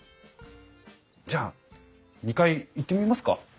じゃあ２階行ってみますか？